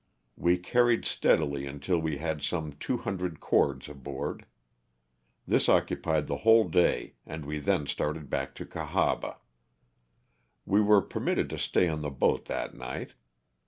We carried steadily until we had some 200 cords aboard. This occupied the whole day and we then started back to Cahaba. We were permitted to stay on the boat that night.